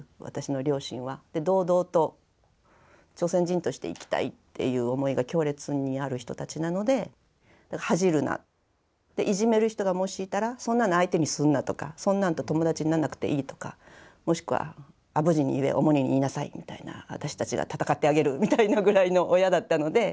堂々と朝鮮人として生きたいっていう思いが強烈にある人たちなので恥じるないじめる人がもしいたらそんなの相手にするなとかそんなんと友達にならなくていいとかもしくはアボジに言えオモニに言いなさいみたいな私たちが戦ってあげるみたいなぐらいの親だったので。